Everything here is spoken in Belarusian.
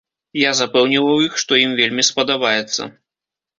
Я запэўніваў іх, што ім вельмі спадабаецца.